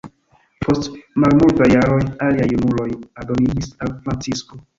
Post malmultaj jaroj, aliaj junuloj aldoniĝis al Francisko.